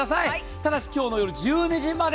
ただし、今日の夜１２時まで。